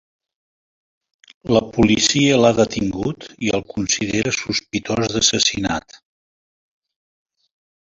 La policia l’ha detingut i el considera sospitós d’assassinat.